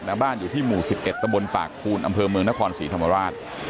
และบ้านอยู่ที่หมู่๑๑ตะบนปากภูนอำเภอเมืองนครศรีธรรมราช